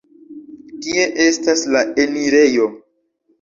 Tie estas la enirejo.